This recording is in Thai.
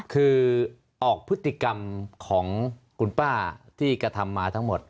คือออกพฤติกรรมของคุณป้าที่กระทำมาทั้งหมด